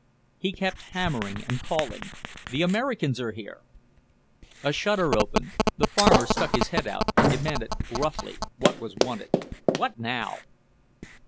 He kept hammering and calling, "The Americans are here!" A shutter opened. The farmer stuck his head out and demanded gruffly what was wanted; "What now?"